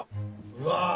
うわ！